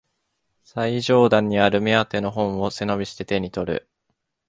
最上段にある目当ての本を背伸びして手にとる